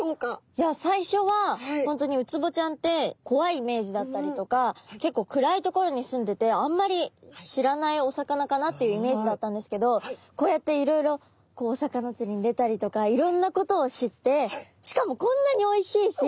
いや最初は本当にウツボちゃんってこわいイメージだったりとか結構暗い所に住んでてあんまり知らないお魚かなっていうイメージだったんですけどこうやっていろいろこうお魚つりに出たりとかいろんなことを知ってしかもこんなにおいしいし。